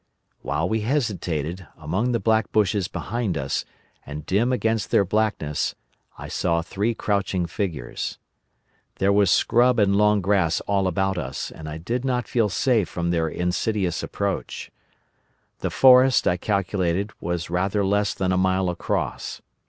"While we hesitated, among the black bushes behind us, and dim against their blackness, I saw three crouching figures. There was scrub and long grass all about us, and I did not feel safe from their insidious approach. The forest, I calculated, was rather less than a mile across.